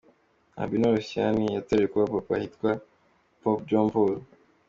Albino Luciani yatorewe kuba papa ahita yitwa Pope John Paul I.